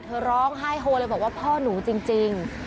ร้องไห้โฮเลยบอกว่าพ่อหนูจริง